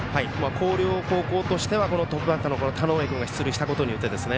広陵高校としてはトップバッターの田上君が出塁したことで。